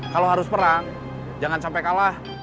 kalau harus perang jangan sampai kalah